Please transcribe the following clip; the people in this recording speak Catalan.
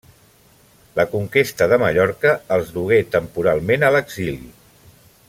La conquesta de Mallorca els dugué temporalment a l'exili.